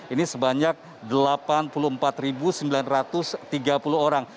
ini sebanyak delapan puluh empat sembilan ratus tiga puluh orang